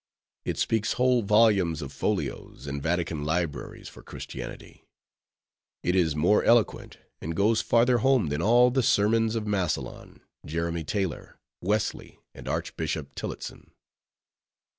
It speaks whole volumes of folios, and Vatican libraries, for Christianity; it is more eloquent, and goes farther home than all the sermons of Massillon, Jeremy Taylor, Wesley, and Archbishop Tillotson.